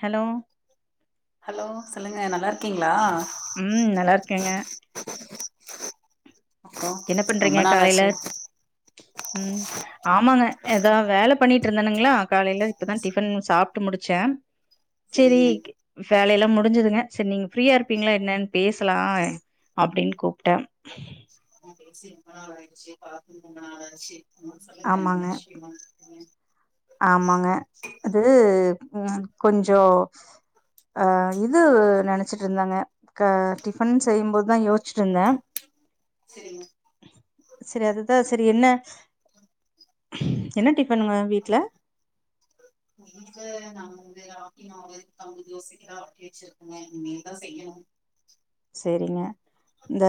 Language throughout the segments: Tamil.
ஹலோ ஹலோ சொல்லுங்க நல்லா இரு உம் நல்லா இருக்கேங்க அப்பரோ என்ன ரொம்ப நாளாச்சு உம் ஆமாங்க ஏதாவ வேலை பண்ணிட்டு இருந்தானுங்களா காலையில இப்பதா டிஃபன் சாப்பிட்டு முடிச்ச சரி செரிங்க வேலை எல்லாம் முடிஞ்சதுங்க சரி நீங்க ஃப்ரீயா இருப்பீங்களா என்னன்னு பேசலாம் அப்படின்னு கூப்டே சினிமா ஆச்சு பாத்து ரொம்ப நாள் ஆச்சு சொல்லுங்க என்ன ஆமாங்க விஷயோ உம் ஆமாங்க அது கொஞ்சம் அஹ இது நினச்சிட்டு இருந்தாங்க டிஃபன் செய்யும்போதுதா யோசிச்சுட்டு இருந்தே செரிங்க சரி அதுதா சரி என்ன என்ன டிஃபனுங்க உங்க வீட்ல வீட்ல [unintelligible] ஆட்டி வச்சிருக்கங்க இனிதா செய்யணும் சரிங்க இந்த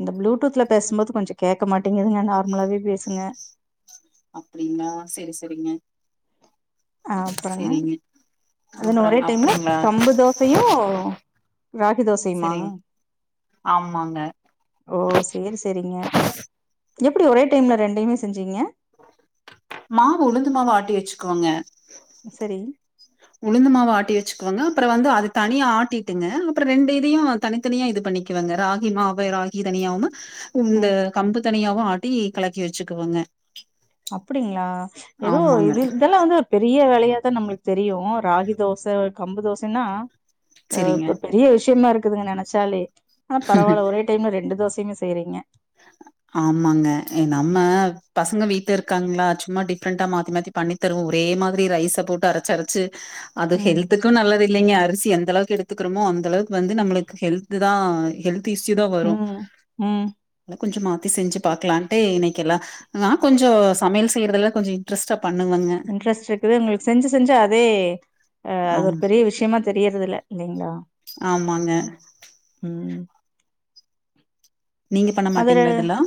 இந்த ப்ளூடூத்ல பேசும்போது கொஞ்சம் கேட்க மாட்டீங்குதுக நார்மலாவே பேசுங்க அப்படிங்களா சரி சரிங்க ஆஹ் அப்புறங்க அதுன்ன அப்றோ ஒரே டைம்ல அப்டிங்களா கம்பு தோசையும் ராகி தோசையுமாங்க செரிங்க ஆமாங்க ஓ சேரி சேரிங்க எப்படி ஒரே டைம்ல ரெண்டையுமே செஞ்சீங்க மாவு உளுந்து மாவு ஆட்டி வச்சுக்குக்கோங்க சரி உளுந்து மாவு ஆட்டி வச்சுக் கோங்க அப்புறம் வந்து அது தனியா ஆட்டிட்டுங்க அப்புறம் ரெண்டு இதையும் தனித்தனியா இது பண்ணிக்குவங்க ராகி மாவு ராகி தனியாவ்வும் இந்த ம் கம்பு தனியாவும் ஆ ட்டி கலக்கி வச்சுக்குவோங்க அப்படிங்களா ஏதோ ஆமாங்க இது இதெல்லாம் வந்து ஒரு பெரிய வேலையா து நம்மளுக்கு தெரியு வு ராகி தோச கம்பு தோசன்னா செரிங்க ஆ பெரிய விஷியமா இருக் இருக்குதுங்க நெனச்சாலே ஆனா பரவால்ல ஒரே டைம்ல ரெண்டு தோச செரிங்க செரிங்க ஆமாங்க நம்ம பசங்க வீட்ல இருக்காங்களா சும்மா டிப்ரெண்டா மாத்தி மாத்தி பண்ணி தருவோ ஒரே மாதிரி ரைஸ போட்டு அரச்சரச்சு அது ம் ஹெல்த்துக்கு நல்லது இல்லைங்க அரிசி எந்த அளவுக்கு எடுத்துக்கிறோமோ அந்தளவுக்கு வந்து நம்மளுக்கு ஹெல்த்து தான் ஹெல்த் தீஷ்யூதா வரு ம் ம் கொஞ்சம் மாத்தி செஞ்சு பாக்கலான்ட்டே இன்னைக்கெல்லா நா கொஞ்ச சமையல் செய்றதுல கொஞ்சம் இன்ட்ரஸ்ட்ட இன்ட்ரெஸ்ட் இருக்குது உங்களுக் செஞ்சு செஞ்சு அதே அது ஒரு ஆம் பெரிய விஷயமா தெரியறது இல்ல இலிங்ளா ஆமாங்க நீங்க பண்ண அதுல மாட்டீங்களா இதெல்லா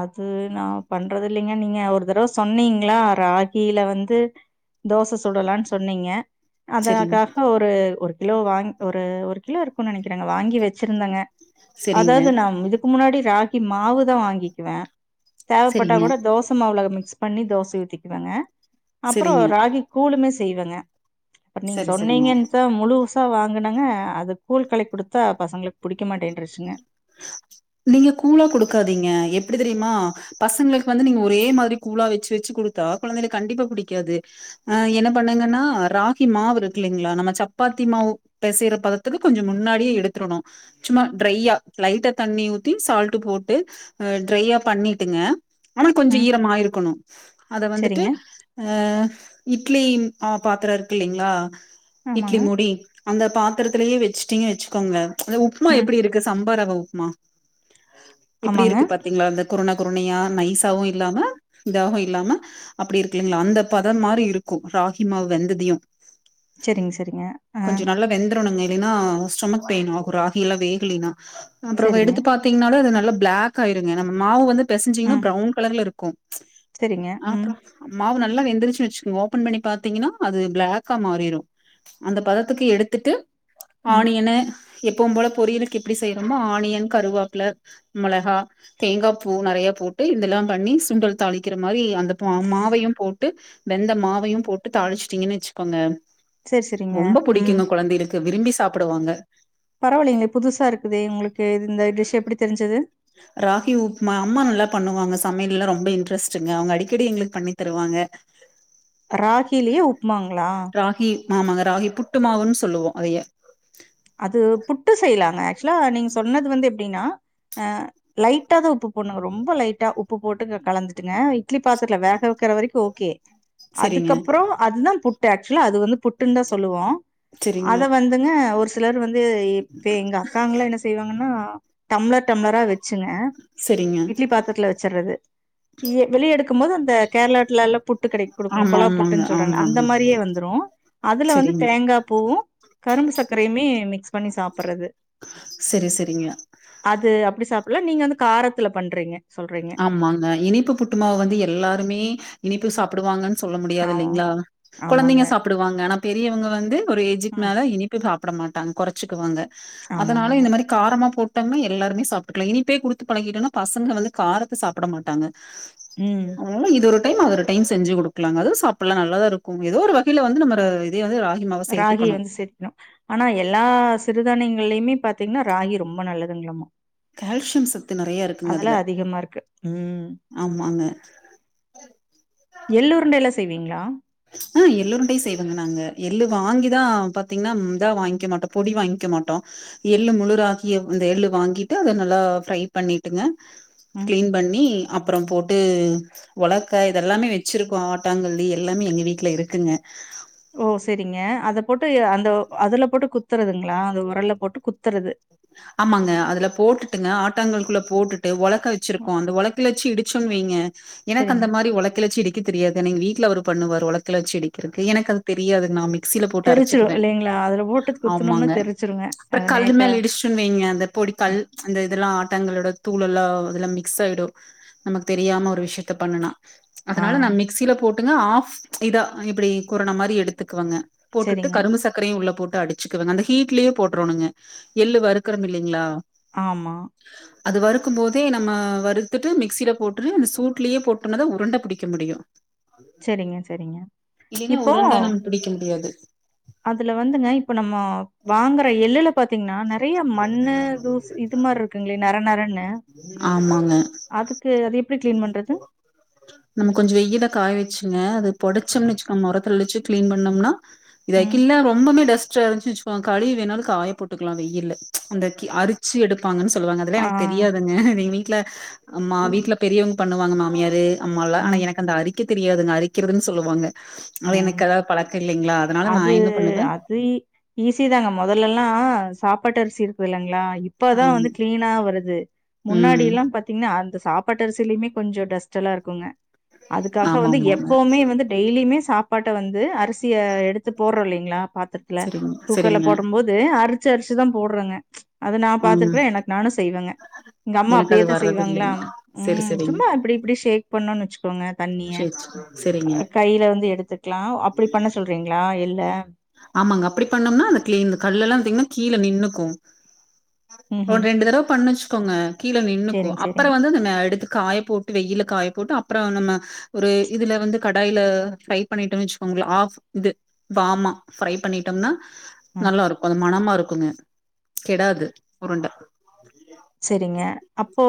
அது நா பண்றதில்லிங்க நீங்க ஒரு தடவை சொன்னீங்ளா ராகில வந்து தோச சுடலானு சொன்னீங்க செரிங் அதனாக்காக ஒரு ஒரு கிலோ வாங் ஒரு ஒரு கிலோ இருக்கு நெனைக்கிறங்க வாங்கி வச்சிருந்தங்க செரிங்க அதாது நாம் இதுக்கு முன்னாடி ராகி மாவுதா வாங்கி [unintelligible] தேவப்பட்டா செரிங்க கூட தோச மாவுல முக் ஸ் பண்ணி தோச ஊத்திக் [unintelligible] அப்றோ செரிங்க ராகி கூலுமே செய்வங்க அ நீங் செரி செரிங்க சொன்னீங்கன் தா முழு வாங்குனங்க அது கூழ்கலிக்குடுத்தா பசங்களுக்கு புடிக்க மாட்டேன்ற்றுச்சுங்க நீங்க கூழா குடுக்காதீங்க எப்டி தெரியுமா பசங்களுக்கு வந்து நீங்க ஒரே மாதிரி கூழா வச்சு வச்சு குடுத்தா கொழந்தைல கண்டிப்பா புடிக்காது ஆஹ் என்ன பண்ணுங்கன்னா ராகி மாவு இருக்குகில்லிங்களா நம்ம சப்பாத்தி மாவு பெசைற பதத்துக்கு கொஞ்சோ முன்னாடியே எடுத்துடணு சும்மா ட்ரையா லைட்டா தண்ணி ஊத்தி சால்ட்டு போட்டு அ ட்ரையா பண்ணிட்டுங்க ஆனா கொஞ்சோ ம் ஈரமாயிருக்கணு அத வந்துட்டு சரிங்க. அஹ் இட்லி ஆ பாத்தரோ இருக்கில்லிங்களா இட்லி ஆமாங்க. மூடி அந்த பாத்திரத்திலயே வெச்சுட்டீங்கனு வெச்சுக்கோங்க அந்த உப்மா ம் எப்படி இருக்கு சம் பரவ உப்மா எப்புடி ஆமாங்க. இருக்கு பாத்தீங்ளா அந்த குருன குருனையா நைஸாவு இல்லாம இதாகவு இல்லாம அப்புடி இருக்கில்லிங்களா அந்த பதம் மாரி இருக்கு ராகி மாவு வெந்துதையு செரிங் செரிங்க அ ஏனா ஸ்டொமக் பெய்ன் ஆகு ராகிலா வேகிலினா அப்புற அவ சரிங்க. எடுத்து பாத்தீங்ன்னாலு அது நல்ல பிளாக் ஆய்ருங்க நம்ம மாவு வந்து பெசஞ்சீங்னா ம் பிரவுன் கலர்ல இரு கு ச் சரிங்க. ம் அப்றோ மாவு நல் நல்லா வெந்திருச்சு வச்கோங்க ஓப்பன் பண்ணி பாத்தீங்கன்னா அது பிளாக்கா மாறிரு அந்த பதத்துக்கு எடுத்துட்டு ம் ஆனியனு எப்பவு போல பொரியலுக்கு எப்டி செய்றோமோ ஆனியன் கருவாப்ல மொளகா தேங்கா பூ நெறையா போட்டு இதெல்லா பண்ணி சுண்டல் தாளிக்கிற மாரி அந்த பாம் மாவையு போட்டு வெந்த மாவையு போட்டு தாளிச்டீங்கன் வெச்சிகோங்க சரி, சரிங்க. ரொம்ப புடிக்கிங்க கொழந்தைலிக் த விரும்பி சாப்புடுவாங்க பரவாலேங்களே புது சாருக்குதே உங்ளுக்கு இது இந்த டிஷ் எப்புடி தெரிஞ்சது ராகி உப்மா அம்மா நல்லா பண்ணுவாங்க சமையல்லா ரொம்ப இன்ட்ரெஸ்ட்டுங்க அவுங்க அடிக்கடி எங்களுக் பண்ணி தருவாங்க ராகிலியே உப்மாங்லா ராகி ஆமாங்க ராகி புட்டுமாவுன் சொல்லுவோ அதையே க்சுலா நீங்க சொன்னது வந்து எப்டின்னா அ லைட்டா தா உப்பு போட்ணு ரொம்பொ லைட்டா உப்பு போட்டு இத கலந்துட்டுங்க த்திலி பாத்துக்லா வேக வக்கிற வரைக்கு ஓகே செரிங்க அதுக்கப்புறோ அதுதா பு து ஆக்சுலா அது வந்து புட்டுன்தா சொல்லுவோ செரிங்க அத வந்துங்க ஒர்ஸ் சிலர் வந் பேயி பே எங்க அக்காங்கலா என்ன செய்வாங்கன்னா டம்ளர் டம்ளரா வெச்சு டுங்க செரிங்க இட்லி பாத்ரத்தில்ல வச் ச்சர்றது இய வெளில எடுக்கும்மோது அந்த கேர்ளாட்லல்லா புட்டு கெடைக் குடுக்குனு ஆமா கொலா ஆமாங்க புட்டுன் சொல்றாங்க ஆமா அந்த ஆமா மாரியே வந்துரு அதுல வந்து செரிங்க தேங்கா பூவு கரும்பு சக் ப்யே மிக்ஸ் பண்ணி சாப் பறது செரி செரிங்க அது அப் ப்டி சாப்பல்லா நீங்க வந்து காரத்துல பண்றீங்க சொல்றீங்க ஆமாங்க இனிப்பு புட்டுமாவு வந்து எல்லாருமே இனிப்பு சாப் புடுவாங்கன் சொல்ல முடியாது ஆமா இல்லிங்ளா ஆமாங்க கொழந்தைங்க சாப்பிடுவாங்க ஆனாப் பெரியவங்க வந்து ஒரு ஏஜுக் ம் மேல இனிப்பே சாப் பட மாட்டாங்க கொறச்சிக்குவாங்க ஆமாங்க அதனால இந்த மாரி காரமா போட் டாங்ன்னா எல்லாருமே சாப்ட்டுக்கலா இனிப்பே குடுத்து பழக்கிட்டோன்னா பசங்க வந்து காரத்த சாப்பட மாட்டாங்க ம் அவுங்கலா இது ஒரு டைம் அது ஒரு டைம் செஞ்சு குடுக்லாங் அது சாப்பல்லா நல்ல தா இருக்கூ எதோ ஒரு வகையில வந்து நம்ம ர இதயே வந்து ராகி மாவ ராகிய சேர்த்துக்கணும். வந்து சேத்துணு ஆனா எல்லா சிறுதானியங்கள்லயுமே பாத் தீங்ன்னா ராகி ரொம்ப நல்லதுங்களாம்மா கேல்சியம் சத்து நெறைய இருக்குங்க அதுல அதிகமா இருக்கு ம் ஆமாங்க செய்வீங்ளா அ எள்ளு உருண்டையு செய்வங்க நாங்க எள்ளு வாங்கிதா பாத்திங்ன்னா ம் இதா வாய்ங்க்க மாட்டோ பொடி வாய்ங்க்க மாட்டோ எள்ளு முழு ராகிய வ் இந்த எள்ளு வாங்கிட்டு அத நல்லா ஃப்ரை பண்ணீட்டுங்க ம் கிளீன் பண்ணி அப்பறம் போட்டு ஒலக்க இதெல்லாமே வெச்சிருக்கோ ஆட்டாங்கல்லு எல்லாமே எங்க வீ வீட்ல இருக்குங்க ஓ செரிங்க அத போட்டு அ அந்த அதுல போட்டு குத்துறதுங்ளா அந்த உரல்ல போட்டு குத்தறது ஆமாங்க அதுல போட்டுட்டுங்க ஆட்டாங்கல்க்குள்ள போட்டுட்டு ஒலக் க வெச்சிருக்கோ அந்த ஒலக்ல வெச்சி இடி சொன் வெய்ங்க எனக்கு செரிங்க அந்த மாரி ஒலக்கில வெச்சு இடி க்க தெரியாது ஆனா எங்க வீட்ல அவரு பண்ணுவாரு ஒலக்கைல வெச்சி இடிக்கறக்கு எனக்கு அது தெரியாதுங் நா மிக் தெரிச்சிரு இல்லைங்ளா அதுல போட்டு குத்துனம்னா தெரிச்சிருங்க அத நேக்கா ட்டுன் வெய்ங்க அந்த பொடி கல் ம், ப்ச் அந்த இதெல்லா ஆட்டங்கல்லோட தூளல்லா அதுல மிக்ஸ் ஆய்டு நமக்கு தெரியாம ஒரு விஷ்யத்த பண்ணுனா ஆ அதனால நா மிக்சியில போட் ட்டுங்க ஆஃப் ப்ச் இதா இப்பிடி குரண மாரி எடுத்துக்குவங்க போட்டுட்டு செரிங்க கரும்பு சக்கரையு உள்ள போட் டு அடிச்சுக்குவங்க அந்த ஹீட்லயே போட்றோனுங்க எள்ளு வறுத் கிரம் இல்லைங்ளா ஆமா அது வறுக்கும்போதே நம்ம வறுத்துட்டு மிக்சில போட்டு அந்த சூட்லயே போட்டோனம்தா உருண்ட புடிக்க முடியு செரிங்க செரிங்க இல்லைன்னா இப்போ உருண்ட நம்ம பிடிக்க முடியாது அதுல வந்துங்க இப்ப நம்ம வாங்குற எள்ளுல பாத்தீங்கன்னா நெற நெறயா மண்ணு தூசு இது மாரி இருக்குங்களே நர நரன்னு ஆமாங்க அதுக்கு அதெ நம்ம கொஞ்சோ வெய்யில்ல காய வெச்சுங்க அத பொடச்சம்னு வெச்சு மொரத்துல வெச்சு கிளீன் பண்ணம்னா இத ம். கிள்ள ரொம்பமே டஸ் ட்டா இருந்ச்சு வெச்சுக்கோங்க கழுவி வேணாலூ காய போட்டுக்கலா வெய்யில்ல ப்ச் அந்த அரிச்சு எடு ப்பாங்கனு சொல்லுவாங்க அதெல்லா ஆ. எனக்கு தெரியாதுங்க நி நீ ட்ல அம்மா வீட்ல இவுங்க பண்ணுவாங்க மாமியாரு நம்யெல்லா ஆனா ம், எனக்கு அந்த க்க தெரியாதுங்க அரிக்கிறதுன்னு சொல்லுவாங்க அது உம் எனக்கு அதாது பழக்க இல்லைங்களா அதனால நா அது என்ன பண்ணுவே அது ஈஸி தாங்க முதல் எல்லா சாப்பாட்டு அரிசி இருக்கு இல்லைங்களா இப்பதா ஆம் வந்து கிளீனா வருது முன்னாடி ம் எல்லாம் பாத்தீங்கன்னா அந்த சாப்பாட்டு அரிசிலயுமே கொஞ்சோ டஸ்ட் எல்லா இருக்குங்க அதுக்காக ஆமா வந்து ஆமாங்க எப்பவுமே வந்து டெய்லியுமே சாப்பாட்ட வந்து அரி சிய எடுத்து போடுற இல்லைங்க ங்ளா பாத்து த்துல சரிங்க குக்கர்ல சரிங்க போடும் போது அறு பச்சரிசிதா போடுறங்க அது நா ம் பாத்திருக்கிற எனக்கு நானு செய்வங்க எங்க அம்மா எனக்கு அது அப்பேதா வர்றது செய்வாங்களா இல்லைங்க செரி உம் செரிங்க சும்மா அப்படி இப்படி ஷேக் பண்ணுனோனு வெச்சுக்கோங்க தண்ணிய சேரி சேரி செரிங்க கையில இருந்து எடு க்லா அப்படி பண்ண சொல்றீங்ளா ஆ இல்ல ஆமாங்க அப்படி பண்ணம்னா அது கிளீன் இந்த கல்லெல்லா பாத்தீங்கன்னா கீழ நின்னுக்கு ம் ஒ ம் ரெண்டு தடவ பண்ணுச்சு இருக்கோங்க கீழ நின்னுக்கு சேரிங் அப்பற சேரிங் வந்து அந்தன எடுத் காய போட்டு வெயில்ல காய போட்டு அப்பறோ நம்ம ஒரு இதுல வந்து கடாயில ஃப்ரை பண்ணிட்டன் வெச்சுக்கோங்ள ஆஃப் இது வாமா ஃப்ரை பண்ணிட்டம்னா ம் நல்லாருக்கு அது மணம்மார் க்குங்க கெடாது உருண்ட செரிங்க அப்போ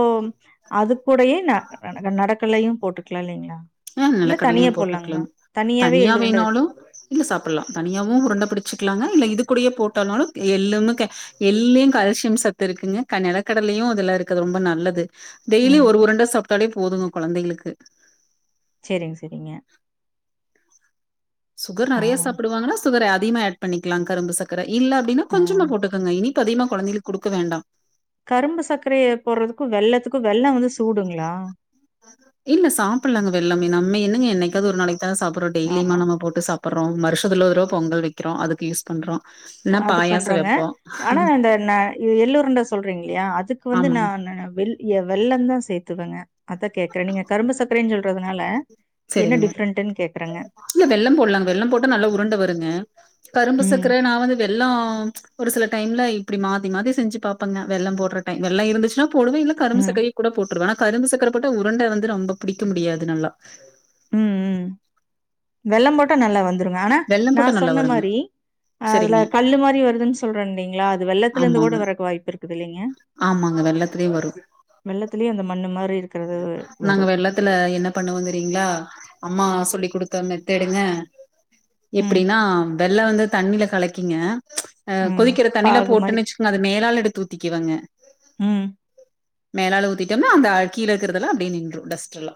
அது கூடயே ந ந நட நடக்கல்லையு போட்டுக்லா இல்லிங்ளா அ நெலக்கடலியு போட்டுக்லாங் தனியாவே தனியா எள்ளுருண்ட வச் வேணாலு நிங்க சாப்பல்லா தனியாவு உருண்ட பிடிச்சு க்லாங்க இல்ல இது கூடயே போட்டானாலு எள்ளுமு க எள்ளியு கல்சியம் சத்து இருக்குங்க க நெலக்கடலயு அதுல இருக்குது ரொம்ப நல்லது டெய்லியு ம் ஒரு உருண்ட சாப்ட்டாலே போதுங்க கொழந்தைகளுக்கு சேரிங்க செரிங்க சுகர் நறையா சாப்டுவாங்கனா சுகர் ஏட் அதிமா ஏட் பண்ணிக்லாங் கரும்பு சக்கரை இல்ல அப்டின்னா ஆ கொஞ்சமா போட்டுக்கங்க இனி ப்பு அதிகமா கொழந்தைளுக் குடுக்க வேண்டாம் கரும்பு சக்கரைய போட்றதுக்கூ வெல்லத்துக் கு வெல்லோ வந்து சூடுங்களா இல்ல சாப்பல்லாங்க வெல்லமே நம்ம என்னங்க என்னைக்காவ்து ஒரு நாளைக்கு தான சாப்பறோ ஆமா டெய்லிமா நம்ம போட்டு சாப் ப்பர்றோ வருஷத்துல ஒருதடவ பொங்கல் வெக்றோ அதுக்கு யூஸ் பண்றோ இல்லனா அது பாயாச பண்றோங்க வைப்போ ஆனா இந்த ந எள்ளுரண்ட சொல்றீங்க இல்யா அதுக்கு வந்து ஆமாங்க நானு வெல் ய வெல்லந் தா சேத்துவங்க அத்தா கேக்கறே நீங்க கரும்பு சக்கரேன் சொல்றதுனால என்ன சரிங்க டிஃப்ரெண்ட்டுன்னு கேக்குறேங்க இல்ல வெல்லம் போல்லாங்க வெல்லம் போட்டா நல்லா உருண்ட வருங்க கரும்பு ம் சக்கர நா வந்து வெல்லம் ப்ச் ஒரு சில டைம்ல இப்டி மாத்தி மாத்தி செஞ்சு பாப்பங்க வெல்லம் போட்ற டைம்‌ வெல்லோ இருந்துச்சுனா போடுவே இல்ல கரும்பு ம் சக்கரைய கூட போட்ருவே அனா கரும்பு சக்கர போட்டா உருண்ட வந்து ரொம்ப பிடிக்க முடியாது நல்லா உம் உம் வெல்லம் போட்டா நல்லா வர் வந்துருங்க ஆனா வெல்லம் நா போட்டா நல்லா சொன்ன வருங்க மாரி அதுல சரிங்க கல்லு மாரி வருதுன் சொல்றேன் இல்லிங்ளா அது வெல்லத்திலந்து கூட ஆமாங்க வரக்கு வாய்ப்பு இருக்குது இல்லீங்க ஆமாங்க வெள்ளத்துலயு வரு வெல்லத்திலயே அந்த மண்ணு மாரி இரு நாங்க வெல்லத்துல என்ன பண்ணுவோ தெரிங்ளா அம்மா ஆ சொல்லி குடுத்த மெத்தேடுங்க ம் எப்பிடினா வெல்ல வந்து தண்ணில கலக்கிங்க ஆ ம் கொதிக்கிற தண்ணில பாகு மாரி போட்டுன்னு வச்சுக்கோங்க அத மேலால எடுத்து ஊத்திக்குவேங்க ம் மேலால ஊத்திட்டம்னா அந்த அழ் கீழ இருக்கறதல அப்டியே நின்றூ டஸ்ட்டல்லா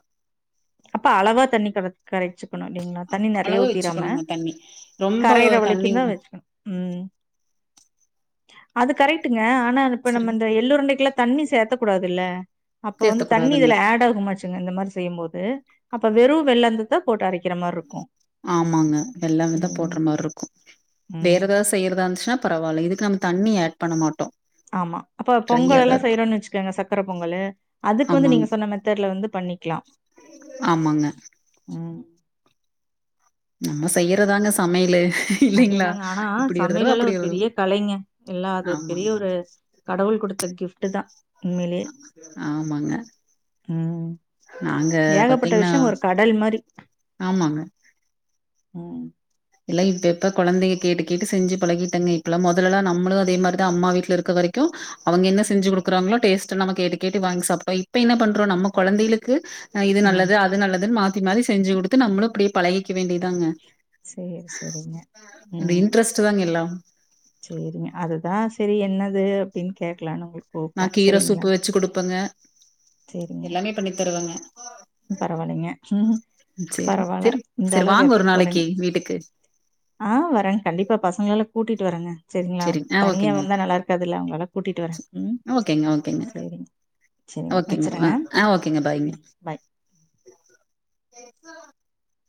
அப்ப அளவா தண்ணி கர கரைச்சுப் [unintelligible] தண்ணி நறைய அளவா ஊத்திராம வச்சுக்கணுங்க தண்ணி ரொம்ப கரையிற தண்ணி வலிக்கூந்தா உள்ள வச்சுக்கணூ ம் அது கரெக்ட்டுங்க ஆனா அதிப்ப நம் அந்த எள்ளுருண்டக்குலாப் தண்ணி சேத்த கூடாதுல்ல அப்ப சேர்த்த வந்து தண்ணி கூடாதுங்க இதுல ஆட் ஆகுமாச் இந்த இந்த மாரி செய்யும் போது அப்ப வெறூ வெல்லந்ததா போட்டு அரைக்கிற மாரி இருக்கூ ஆமாங்க எல்லாமே தா போட்டுற மாரி இருக்கூ வேற ம். ஏதாவ்து செய்யறதா இருந்துச்சுன்னா பரவால்ல இதுக்கு நம் தண்ணி ஆட் பண்ணும் மாட்டோ ஆமா அப்ப பொங்கலல்லா செய்றோன்னு வச்சுக்கோங்க சக்கர பொங்கலு அதுக்கு வந்து ஆமாங்க நீங்க சொன்ன மெத்தட்ல வந்து பண்ணிக்லா ஆமாங்க ம் நம்ம செய்யறதாங்க சமையலே அதுதாங்க ஆனா சமையலல ஒரு பெரிய கலைங்க இல்ல அது ஒரு பெரிய ஆமாங்க ஒரு கடவுள் குடுத் த கிஃப்ட் தா ஆமாங்க ம். நாங்க ஏகப்பட்ட பாத்தீங்னா விஷயம் ஒரு கடல் மாரி. ஆமாங்க ம் இல்ல இப்ப எப்ப கொழந்தைங்க கேட்டு கேட்டு செஞ்சு பழகிட்டங்க இப்பல்லா மொதல்லலா நம்மளூ அதே மாரி தா அம்மா வீட்ல இருக்க வரீக்கூ அவங்க என்ன செஞ்சு குடுக்குறாங்களோ டேஸ்ட்டு நம்ம கேட்டு கேட்டு வாங்கி சாப்டோ இப்ப என்ன பண்றோ நம்ம கொழந்தைகளுக்கு அ இது ம். நல்லது அது நல்லதுன் மாத்தி மாத்தி செஞ்சு குடுத்து நம்ளூ அப்டியே பழகிக் க்க வேண்டியதாங்க சேரி செரிங்க இந்த ம் இன்ட்ரெஸ்ட் தாங்க எல்லா சேரிங்க அதுதா ஸ் செரி என்னது அப்டின் கேட்கலான்னு உங்களுக் நான் கீர சூப்பு வச்சு குடுப்பேங்க எல்லாமே பண்ணி தருவேங்க பரவால்லைங்க ம் சேரி பரவால்ல சேரி சேரி இந்தளவு வாங்க ஒரு எஃபெக்ட் நாளைக்கு போட்றீங்க வீட்டுக்கு ஆ வரே கண்டிப்பா பசங்களலா கூட்டிகிட்டு வரேங்க செரிங்ளா சேரிங்க ஆ தனியா ஓகேங்க வந்தா ஓகே நல்லாருக்காதில்ல அதனால கூட்டிட்டு வரே ம் ஓகேங்க ஓகேங்க செரி செரிங்க ஓகேங்க ஆ வச்சுர்றே ஆ ஓகேங்க பாய்ங்க ம் பை [unintelligible]